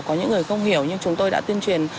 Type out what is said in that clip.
có những người không hiểu nhưng chúng tôi đã tuyên truyền